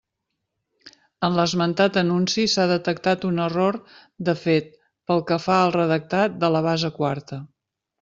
En l'esmentat anunci s'ha detectat un error de fet pel que fa al redactat de la base quarta.